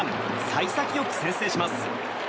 幸先よく先制します。